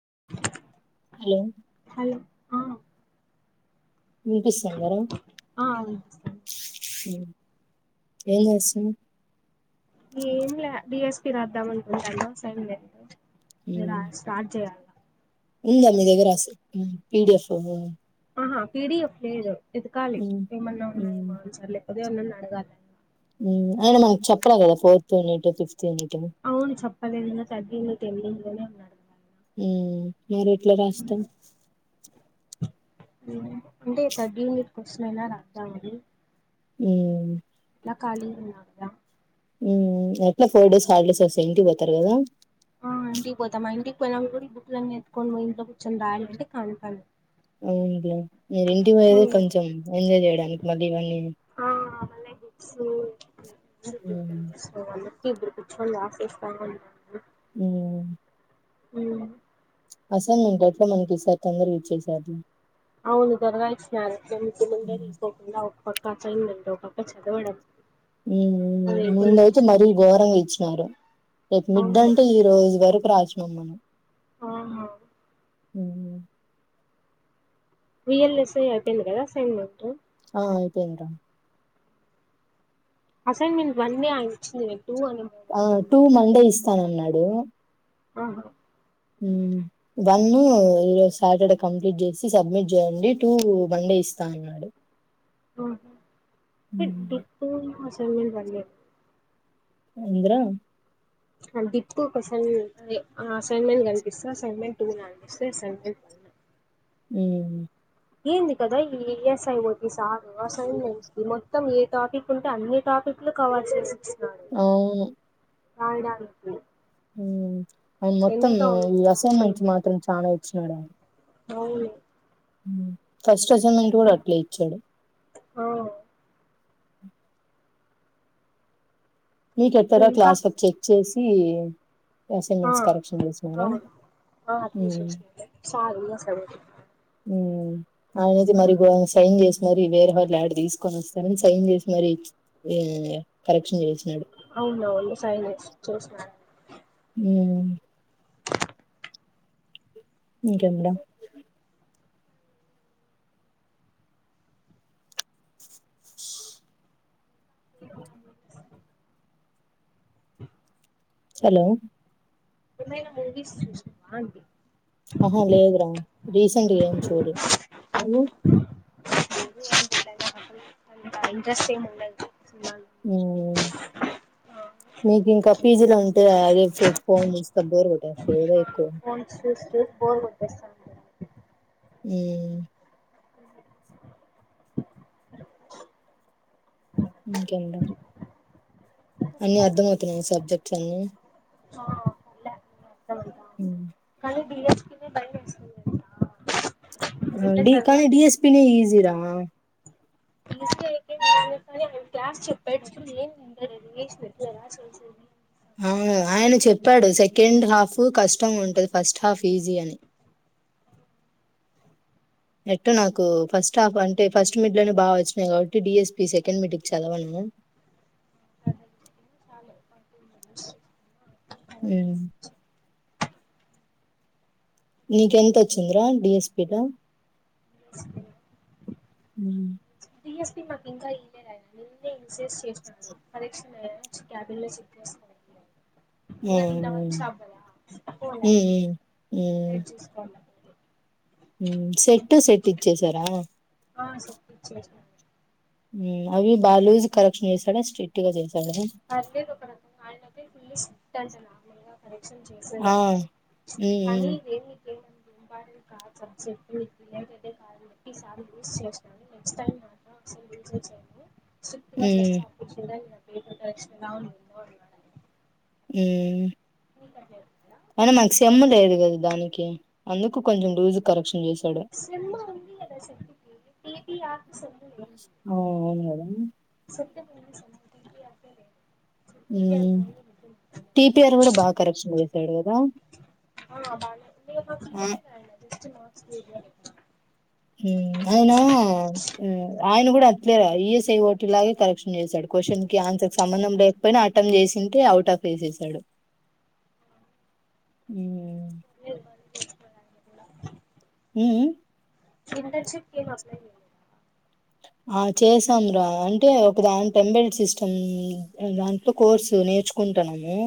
[inaudible] Hello వినిపిస్తా గారా ఎం చేస్తున్నారు ఏం లే డిఎస్పి రాద్దాం అంటుంటాండిసైం లేదు ఉమ్ అ స్టార్ట్ చేయాల ఉందా మీ దగ్గర అస పిడిఎఫ్ ఆహా పిడి ఎఫ్ లో లేదు ఎతకాలి ఏమన్నా ఉన్నాయి మాంసలే ఉద ఒ నడు గ ఆయన మనకు చెప్పరా కదా ఫోర్త్ యూనిట్ ఫిఫ్త్ యూనిట్ ఉమ్ అవును చెప్పలేని చదిీ తనే హ్మ్మ్ మీరు ఎట్లా రాస్తాం అంటే థర్డ్ యూనిట్ క్వాషనైనా రాద్దామని ఏ కాలింగ్ బెల్ ఒత్తర హ్మ్మ్ ఎట్లా ఫోర్ డేస్ హాలిడేస్ వస్తాయి ఇంటికి పోతారు కదా ఆ ఇంటికి పోతామా ఇంటికి పోయినపుడు కూడా ఇ బుక్లు అన్ని ఎత్తుకొని ఇంట్లో కూర్చొని రాయాలి అంటే కనిపని అవునులే మీరు ఇంటికి పోయేది కొంచం ఎంజాయ్ చేయడానికి మళ్ళీ ఇవన్నీ అ ఉమ్ వ ఇప్పుడు కూర్చొని రాసేస్త హ్మ్మ్ అ అసైన్మెంట్ ఏట్లో మనకి ఈసారీ తొందరగా ఇచ్చేసారు అవును త్వరగా ఇచ్చినారు ముందే ఉమ్ తీకోకుండా అవు ఒక పక్క అసైన్మెంట్ ఒక పక్క చదవడం మందయితే మరి గోరమ్ ఇచి సరే రేపు మిడ్డ్ అంటే ఈ రోజు వరకు రాసినం మనం ఆహా హ్మ్మ్ వీ ఎల్ ఎస్ ఐ ఐపోయింది గాదా అసైన్మెంట్ ఆ ఐపోయింది రా అసైన్మెంట్ వన్ ఏ ఆయన ఇచ్చింది ఆ టూ మండేస్ స్తానున్నాడు అహ ఉం వన్ ఈరోజు సాటర్డే కంప్లీట్ చేసి సబ్మిట్ చేయండి టూ మండే ఇస్తా అన్నాడు అహ మిడ్ టూ [unintelligible] అంద్రా డిప్ క్యూషన్ అది అసైన్మెంట్ కనిపిస్త అసైన్మెంట్ టూ [unintelligible] అసైన్మెంట్ ఉహు ఏంది కదా ఈ ఈఎస్ఐ ఓటీసవ్ మొత్తం ఏ టాపిక్ ఉంటే అన్ని టాపిక్లు కవర్ చేసి అవును ఆడాన్ కి ఉం అండ్ మొత్తం ఈ అసైన్మెంట్స్ మాత్రం చానా సోడ అవును ఉం ఫష్ స్ట్రజర్మెంట్ కూడా అట్లే ఇచ్చిండు హ మీకెక్కడా క్లాస్ చెక్ చేసి ఇ హ అవును అ తీసేసిండా సారు ఉం ఆయనది మరి గొ సైన్ చేస్ మరి వేరే ఒకరి లడ్ర్ తీసుకొని వస్తారని సైన్ చేసి మరి కరెక్షన్ చేసినాడు అవునవును సైనెక్స్ చూసినాను ఉం ఇంకా మేడం [inaudible] హలో ఏమైనా మూవీస్ చూసారా అండీ ఆహా లేదు రా రీసెంట్గా ఏం చూడలే ఇంట్రస్ట్ ఎం ఉండదు ఉం నీకు ఇంకా పీజీల ఉంటేయా ఫోన్ చూస్తే బోర్ కొట్టెస్తదాఎ ఫోన్ సూస్తే బోర్ కొట్టెస్తా ఉం [inaudible] ఇంకేంటా అన్ని అర్ధమవుతున్నాయ సబ్జెకట్లన్ని ఆ ఉమ్. కని బిఎస్ బాయం వెస్ట్‌హుంది టెలుసా ఆ డి కానీ డిఎస్పి న ఈజీ రా డీఎస్పీ అయితే ఏం అయితే ఏమి ఆమె క్లాస్ చెప్పేటప్పుడు ఎమ్ వింటలేధు వాస్తు ఎలా చెసేధి అవును ఆయన చెప్పాడు సెకండ్ హాఫ్ కష్టం ఉంటది ఫస్ట్ హాఫ్ ఈజీ అని ఎట్టు నాకు ఫస్ట్ హాఫ్ అంటే ఫస్ట్ మీట్ లోనే బాగా వచ్చినాయి కాబట్టి డిఎస్పి సెకండ్ మీట్కి చదవను [inaudible] ఉమ్ నీక ఎంత వచ్చింద్రా డిఎస్పిలో లజ్గా ఉమ్ బిఎస్పి మా ఇంకా ఇల్లే ఇంకా నిన్నె చెస్ చెస్నాడు చూడు కరెక్షన్ ఆ క్యాబిన్ లో చెక్ చేస్తాను ఇంకా నిన్న హ్మ్ వచవ్ కదా స్తంభం హ్మ్ టిమ్ చుస్కోలే ఉమ్ సెట్ సెట్ ఇచ్చసారా ఆ సెట్ ఇచ్చసారా ఉమ్ అవి బా లజ్ కలెక్షన్ చేసాడు స్ట్రిక్ట్ గా చేస్తాడు పళ్లేదుప్పు అయిన ధాగర థెస్కోవధు అంటునా [unintelligible] కరెక్ట్ కరెక్షన్ చేసేద ఆ హ్మ్ కానీ దేవిక ఏమ ఇంపార్టెంట్ కాల్ సబ్జెక్ట్ ఇంటిదే కా యూస్ చేను నెక్స్ట్ టై మాత్రం అసలు యూ స్ట్రిక్ట్‌గా చేస్తే హ్మ్ అప్పుడు చెలరేగిన కరెక్షన్ అవును [unintelligible] ఉమ్ మిక్ అట్లా వాస్ అనా మాకు చెమ్ము లేదు కదా దానికి అందుకు కొంచెం లుజు కరక్ష సిమ్హ ఉంది కదా సెమ్కి ఇయా ఓ అవును కదా స్య మ స ఉమ్ టి పెరూ కూడా బాగా కరప్షన్ చేసాడు కదా అ బా ఆ మాసరు అయ్యర్ అయిన ఉమ్ అయన హ్మ్ ఆయన కూడా అట్లే ఈఎస్ఐ హోటి లాగే కరెక్షన్ చేసాడు క్వశ్చన్ కి ఆన్సర్ సంబంధం లేకపోయినా అటెంట్ చేసింటే అవుట్ ఆఫ్ వేసేసాడు లేధు మాకో కూడా కూడా ఉ ఇంటర్ షిప్ ఎమ్ అప్లై చేయలేదా ఆ చేసాం రా అంటే ఒక దా ఎంబల్ సిస్టమ్ దాంట్లో కోర్సు నేర్చుకుంటాన్నాము.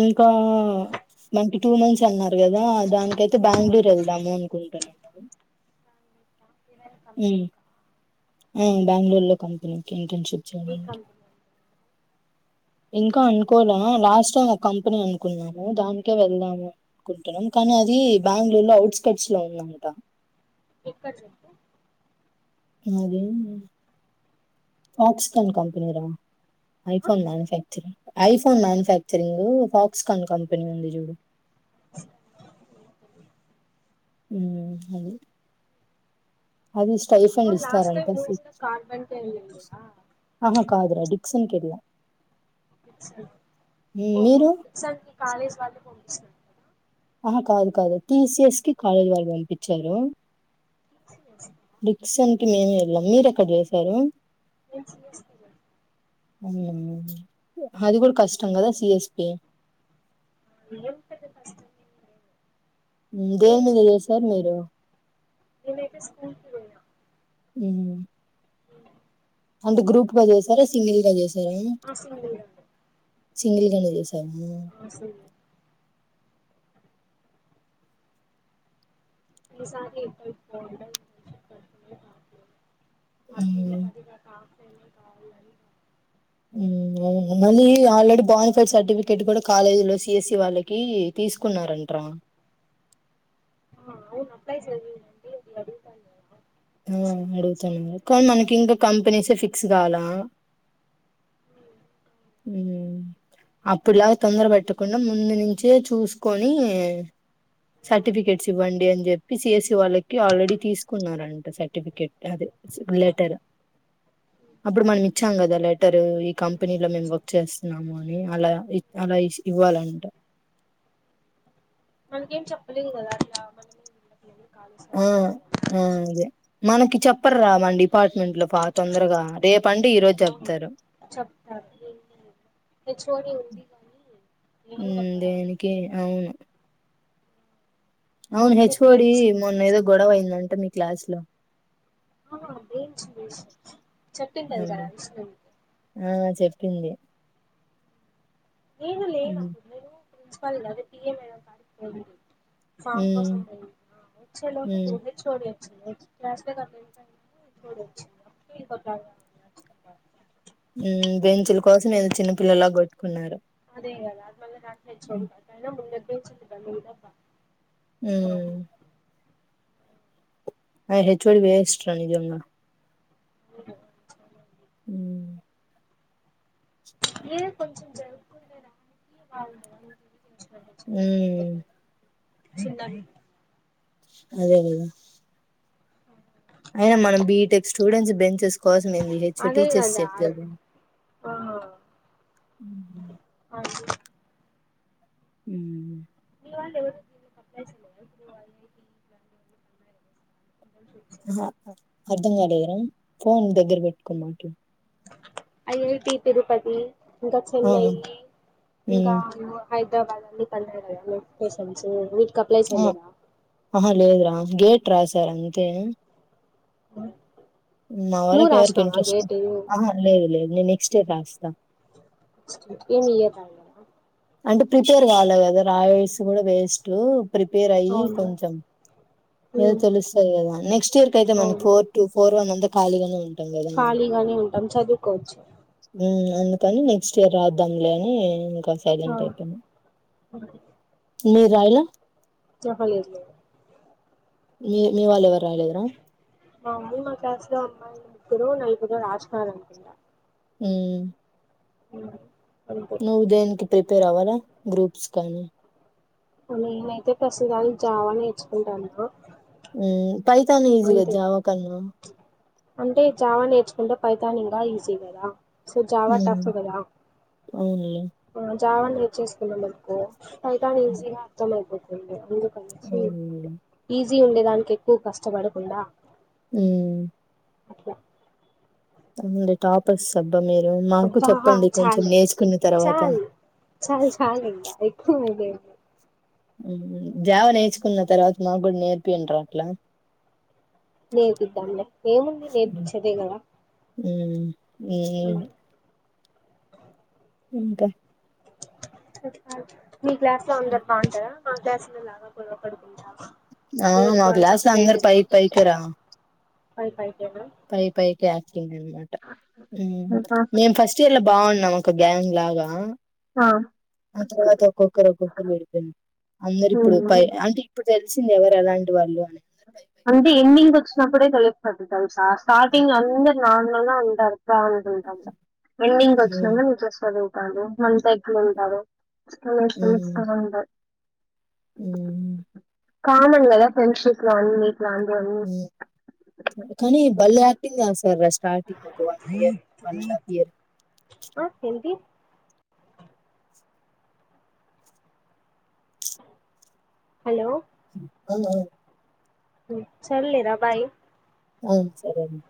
ఇంకా మాకి టూ మంత్స్ అన్నారు కదా దానికైతే బెంగళూరు వెళ్దాము అనుకుంటున్నాం హు హు బెంగుళూర్ లో కంపెనీ కి ఫ్రెండ్షిప్ చేయడానికి ఇంకా అనుకోలే లాస్ట్ టైం ఒక కంపెనీ అనుకున్నాము దానికే వెళ్దాము అనుకుంటున్నాం. కానీ అది బెంగళూరు లో అఔట్కట్స్ లో ఉందంట ఎక్కడ చెప్పు అది ఫాక్స్కాన్ కంపెనీరా iPhone manufacturing iPhone manufacturing Foxconn company ఉంది చూడు హు అది అది ఇష్ట టైఫండ్ ఇస్తారంట ఆహా కాదురా డిక్సన్ కెల్లా స ఓహో ఇసార్ కాలజ వాళ పో ఆహా కాదు కాదు టీసిఎస్ కి కాలేజ్ వాళ్ళు పంపించారు డిక్సన్ మేము వెళ్ళాం మీరు ఎక్కడ చేశారు ఏమ్ [inaudible] హు అది కూడా కష్టం కదా సిఎస్పి కి [inaudible] దేని మీద చేసారు మీరు నేను అయితే స్కూల్ కి పోయా హు అ అంటే గ్రూప్ గా చేసరా సింగిల్ గా చేసరా అ [unintelligible] సింగిల్ గానే చేసి దమూ ఈసారి ఎక్కడి [inaudible] అటూ లే మ్మ్. పది గాకా హు అవును మళ్ళీ ఆల్రెడీ బానిఫైడ్ సర్టిఫికెట్ కూడా కాలేజీలో సిఎస్సి వాళ్ళకి తీసుకున్నారంట్రా హు అవును అప్లై చెయండి అడుగుతాన్నార హు అడుగుతాన్నారు మన కిి ఇంగ కంపెనీసే ఫిక్స్ కాలా హు అప్పుడులాగా తొందర పెట్టకుండా ముందు నుంచే చూసుకొని సర్టిఫికెట్స్ ఇవ్వండి అని చెప్పి సిఎస్సి వాళ్ళకి ఆల్రెడీ తీసుకున్నారంట సర్టిఫికెట్ అది లెటర్ అప్పుడు మనం ఇచ్చాం కదా లెటర్ లెటరు ఈ కంపెనీ వర్క్ చేస్తున్నా [unintelligible] అలా [unintelligible] ఇవ్వాలంట మనకేం చెప్పలేదు కదా అట్లా మనం ఉండం ఆ ఆ అదే మనకి చెప్పరు రా మన డిపార్ట్మెంట్ లో పా తొందరగా రేపు అంటే ఈరోజు చెప్తరు మ్మ్ దేనికి అవును అవును హెచ్ఓడి మొన్న ఏదో గొడవయిందం టే మీ క్లాస్ లో ఆ [unintelligible] వేసా చెప్పింటది కదా అవును విష్ణు ఆ చెప్పింది నేను లేను ఉమ్ అప్పుడు నేను ప్రిన్సిపల్ [inaudible] సామ్ ఉమ్ కోసం పోయింట్నా వచ్చేలోపు ఉమ్ ఇ హెచ్ఓడి క్లాస్ [unintelligible] మ్ బెంచుల కోసం ఏదో చిన్న పిల్లలా కొట్టుకున్నారు అదే కదా మ రా ఉమ్ [unintelligible] పచ్చిట్ క ఇదప్పా మ్ ఆ హెచ్ వాడి వేస్ట్ రా నిజంగా మ్ ఏ కొంచం జరుపుంట రా ఉమ్ [unintelligible] అదే కదా అయిన మనం బీటెక్ స్టూడెంట్స్ బెంచెస్ కోస మంది హ చోటీీ టీచస్ [unintelligible] ఉ ఉ ఇ కప్పు అర్ధం కాలేదరాం ఫోన్ దగ్గర పెట్టుకోమాట ఐఐటి తిరుపతి ఇంకా ఆ చెన్నై ఇంకా ఉమ్ హైదరాబాద్ అని [unintelligible] ఆ అ లేద రా గేట్ రాసారు అంతే అ మా వాళ్ళకి ఎవరికి ఇంట్రెస్ట్, ఆ లేదు లేదు నేను నెక్స్ట్ ఇయర్ రాస్తా ఏ మీ [unintelligible] అంటే ప్రిపేర్ కావాలి కదా రాయేసి కూడా వేస్ట్ ప్రిపేర్ అయ్యి కొంచెం ఏదో తెలుస్తది కదా నెక్స్ట్ ఇయర్ కయితే మనకి ఫోర్ టూ ఫోర్ వన్ కాలీగానే ఉంది ఖాళీగానే ఉంటాం చదువుకోవచ్చు ఉ అందుకని నెక్స్ట్ ఇయర్ రాద్దాంలే అని ఇంక సైలెంట్ అయిపోయిన అ మీరు రాయలా చెప్పలేదు లే మీ మీ వాల్లేవరు మమ్మీ మా క్లాస్ లొ అమ్మాయి తరువు నైపుద రాజ్కా అకుంద [unintelligible] హ అ నువ్వుదేనికి ప్రిపేర్ అవ్వలా గ్రూప్స్ కానీ నేనైతే ప్రస్తుతానికి జావా నేర్చుకుంటాన అ పైథాన్ ఈజీ కద జావా కన్నా అంటే జావా నేర్చుకుంటే ఫైతాన్ ఇంగా ఈజీ కదా సొ జావా మ్మ్ టఫ్ గదా అవునులే జావా నేర్చేసుకున్నామనుకో పైతాన్ ఈజీగా అర్థమైతది ఇ [unintelligible] ఉ ఉండే దానికి ఎక్కువ కష్టం కష్టపడుకుండా ఆ అట్లా ఆ [unintelligible] టాపర్స్బ్ అబ్బా చాల్ నేర్చుకున్న తర్వాత చాల్ చాల్ చాల్ ఇంక ఎక్కువ మోయ ఉ జావ నేర్చుకున్న తర్వాత మాకు కూడా నేర్పిఅండ్ర అట్లా నేర్పిద్దాం లె ఏముంది నేర్పిచ్చేదేగద ఉ ఉ ఇంకా కుత్కాల్ మీ క్లాస్ లో అందర్ బాగుంటందా మా గ్లాస్ లో లాగా గొడవపడుతుంటారు ఆ మా గ్లాస్ అందర్ పై పైకెరా పై పయ్ పై పై క [unintelligible] మాట మేం ఫస్ట్ ఇయర్ లో బాగున్నాం ఒక గ్యాంగ్ లాగా ఆ, ఆ తర్వాత ఒక్కొక్కరు ఒక్కొక్కరు విడిపోనం అందరు ఇప్పుడు ఉమ్. పై అంటే ఇప్పుడు తెలిసింది ఎవరు ఏలాంటి వాళ్ళు అని పై పైకి మాట్లాడుతున్నారు. ఇప్పుడే వాళ్లకు థర్టీ టైమ్స్ ఆ స్టాటిన్గ్ అందర్ నా దంగా ఉంటారు బాగుంటుందందా ఎండింగ్ హ్మ్ వచ్చినక మీ చేస్తారు ఆ రూట్లుంటయ్ [unintelligible] చేసుకోనుంటాయ్ ఊ కామన్ కదా ఫ్రెండ్షిప్ లో అన్ని ఇట్లాంటివన్నీ ఊ కానీ భలే యాక్టింగ్ జేసార్ రష్ స్టార్టింగ్ ఒక one year one and half year ఆ ఎంటి హలో హలో ఉ సర్లేరా బాయ్ ఆ సరెండి